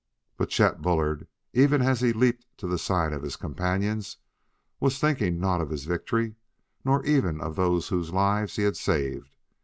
But Chet Bullard, even as he leaped to the side of his companions, was thinking not of his victory, nor even of the two whose lives he had saved.